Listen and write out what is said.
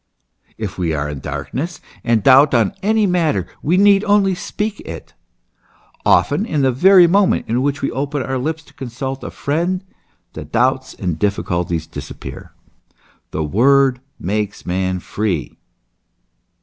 If we are in darkness and doubt on any matter, we need only speak of it ; often in the very moment in which we open our lips to consult a friend, the doubts and difficulties disappear. The word makes man free.